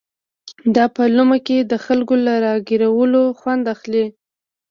دا په لومه کې د خلکو له را ګيرولو خوند اخلي.